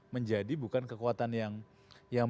menjadi bukan kekuatan yang